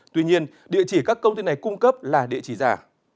tuy nhiên địa chỉ các công ty này cung cấp là địa chỉ giả